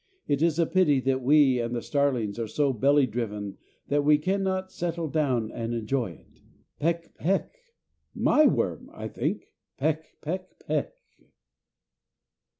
It is a pity that we and the starlings are so belly driven that we cannot settle down to enjoy it. Peck, peck. My worm, I think. Peck, peck, peck.